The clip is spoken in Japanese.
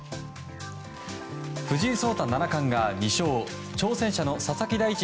藤井聡太七冠が２勝挑戦者の佐々木大地